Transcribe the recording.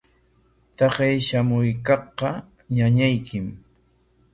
Taqay shamuykaqqa ñañaykim.